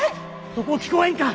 そこ聞こえんか？